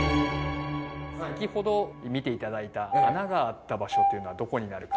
先ほど見ていただいた穴があった場所というのはどこになるか分かるでしょうか？